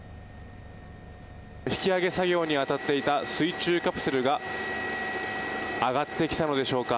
引き揚げ作業に当たっていた水中カプセルが上がってきたのでしょうか。